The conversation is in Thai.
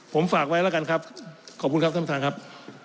ผมฝากไว้แล้วกันครับขอบคุณครับท่านประธานครับ